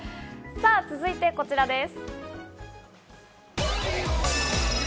続いてこちらです。